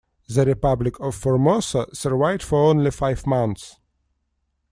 The Republic of Formosa survived for only five months.